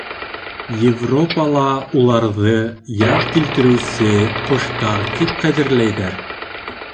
Европала уларҙы яҙ килтереүсе ҡоштар тип ҡәҙерләйҙәр.